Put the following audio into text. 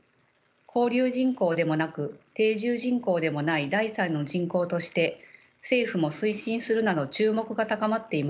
交流人口でもなく定住人口でもない第三の人口として政府も推進するなど注目が高まっています。